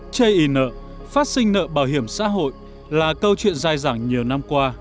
chây ý nợ phát sinh nợ bảo hiểm xã hội là câu chuyện dài dàng nhiều năm qua